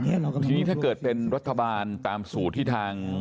ทีนี้ถ้าเกิดเป็นรัฐบาลตามสูตรที่ทาง